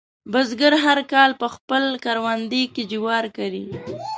بزګر هر کال په خپل کروندې کې جوار کري.